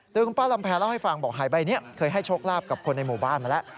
โดยคุณป้าลำแพรเล่าให้ฟังบอกหายใบนี้เคยให้โชคลาภกับคนในหมู่บ้านมาแล้ว